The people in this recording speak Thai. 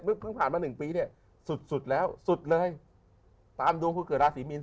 เพิ่งผ่านมาหนึ่งปีเนี่ยสุดสุดแล้วสุดเลยตามดวงคือเกิดราศีมีน